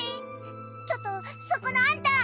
ちょっとそこのアンタ！